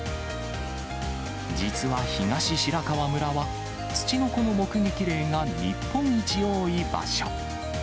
実は東白川村は、つちのこの目撃例が日本一多い場所。